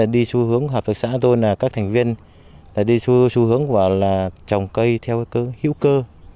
đi xu hướng hợp tác xã tôi là các thành viên đi xu hướng xu hướng là trồng cây theo hữu cơ